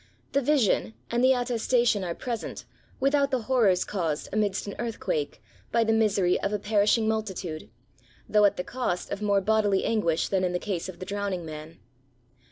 The vision and the attestation are present, without the horrors caused, amidst an earthquake, by the misery of a perishing multitude, though at the cost of more bodily anguish than in the case of the drowning man.